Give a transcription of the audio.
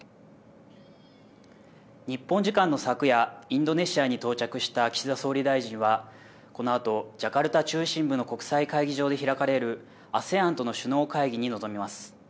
日本時間の昨夜、インドネシアに到着した岸田総理大臣はこのあとジャカルタ中心部の国際会議場で開かれるＡＳＥＡＮとの首脳会議に臨みます。